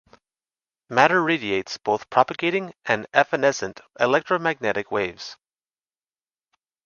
Matter radiates both propagating and evanescent electromagnetic waves.